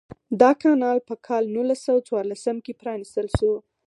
دا کانال په کال نولس سوه څوارلسم کې پرانیستل شو.